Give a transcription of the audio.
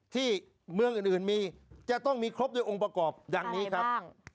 ที่เมืองอื่นมีจะต้องมีครบโดยองค์ประกอบดังนี้ครับ